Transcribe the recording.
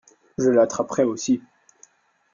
Je l’attraperai aussi.